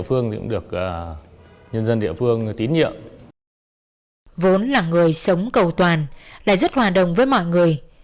phương cũng được nhân dân địa phương tín nhiệm vốn là người sống cầu toàn là rất hòa đồng với mọi người